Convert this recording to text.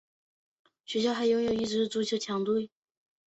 学校还拥有一支足球强队。